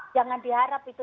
jangan diharap itu